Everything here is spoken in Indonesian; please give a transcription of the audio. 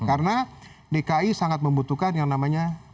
karena dki sangat membutuhkan yang namanya